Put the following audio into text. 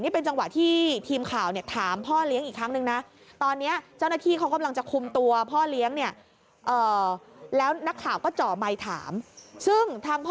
เป็นจังหวะที่ทีมข่าวเนี่ยถามพ่อเลี้ยงอีกครั้งนึงนะ